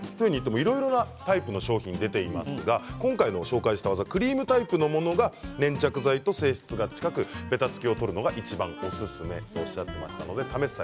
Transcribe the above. いろいろなタイプの商品が出ていますが今回ご紹介した技はクリームタイプのものが粘着剤と性質が近くべたつきを取るのにいちばんおすすめとおっしゃっていました。